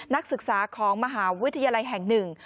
นักศึกษาของมหาวิทยาลัยแห่งหนึ่ง